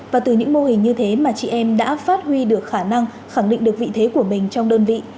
và từ những mô hình như thế mà chị em đã phát huy được khả năng khẳng định được vị thế của mình trong đơn vị